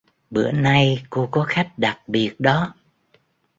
Bữa nay cô có khách đặc biệt đó